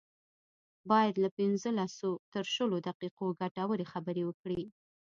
بايد له پنځلسو تر شلو دقيقو ګټورې خبرې وکړي.